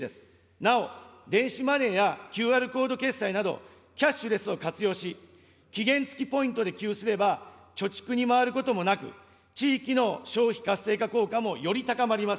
なお電子マネーやＱＲコード決済など、キャッシュレスを活用し、期限付きポイントで給付すれば、貯蓄に回ることもなく、地域の消費活性化効果もより高まります。